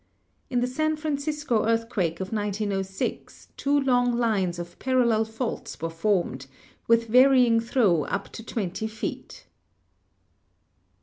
In the San Francisco earthquake of 1906 two long lines of parallel faults were formed, with varying throw up to twenty feet.